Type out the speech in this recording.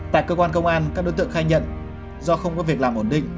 tại cơ quan công an các đối tượng khai nhận do không có việc làm ổn định